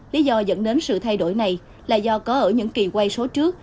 lý do dẫn đến sự thay đổi này là do có ở những kỳ quay số trước